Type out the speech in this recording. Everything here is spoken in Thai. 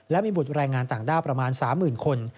และมีบุตรแรงงานต่างด้าวประมาณ๓๐๐๐คน